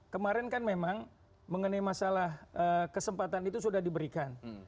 kemarin kan memang mengenai masalah kesempatan itu sudah diberikan